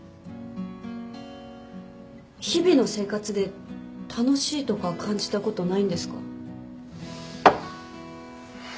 日々の生活で楽しいとか感じたことないんですか？